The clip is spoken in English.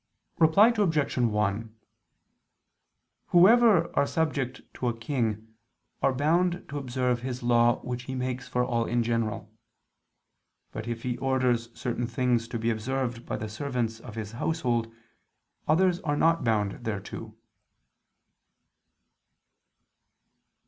Reply Obj. 1: Whoever are subject to a king, are bound to observe his law which he makes for all in general. But if he orders certain things to be observed by the servants of his household, others are not bound thereto.